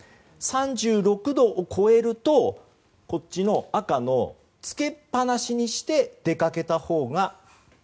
３６度を超えると赤のつけっぱなしにして出かけたほうが。